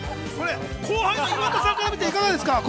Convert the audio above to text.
後輩の岩田さんからみてどうですか？